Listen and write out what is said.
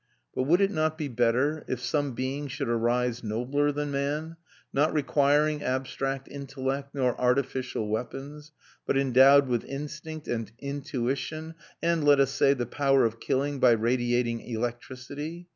But would it not be better if some being should arise nobler than man, not requiring abstract intellect nor artificial weapons, but endowed with instinct and intuition and, let us say, the power of killing by radiating electricity?